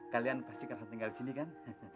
kalian pasti karena tinggal di sini kan